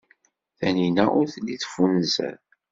Tanina ur telli teffunzer.